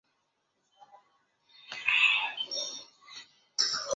另在殿外的西南廊下的墙壁上镶有一块与经石同样规格的跋。